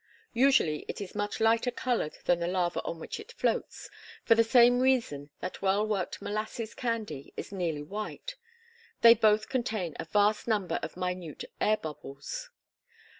Usually it is much lighter colored than the lava on which it floats, for the same reason that well worked molasses candy is nearly white: they both contain a vast number of minute air bubbles.